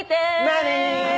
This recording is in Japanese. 「何？」